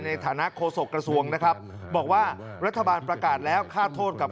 ในฐานะโฆษกระทรวงนะครับบอกว่ารัฐบาลประกาศแล้วค่าโทษกับ